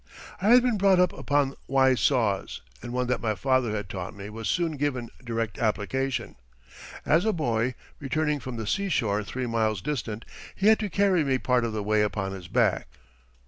I had been brought up upon wise saws and one that my father had taught me was soon given direct application. As a boy, returning from the seashore three miles distant, he had to carry me part of the way upon his back.